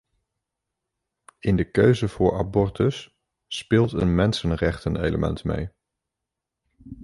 In de keuze voor abortus speelt een mensenrechtenelement mee.